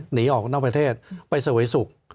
หนีออกกับน้องประเทศไปสวยสุข